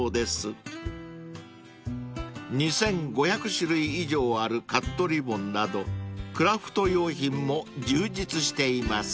［２，５００種類以上あるカットリボンなどクラフト用品も充実しています］